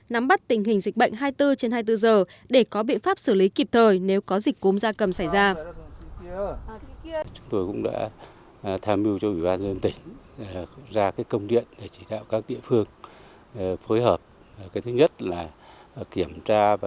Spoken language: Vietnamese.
nắm bắt tình hình dịch bệnh hai mươi bốn trên hai mươi bốn giờ để có biện pháp xử lý kịp thời nếu có dịch cúm da cầm xảy ra